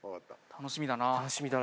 楽しみだな。